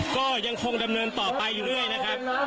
ก็ยังคงดำเนินต่อไปอยู่เรื่อยนะครับ